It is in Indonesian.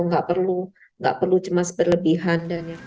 nggak perlu cemas berlebihan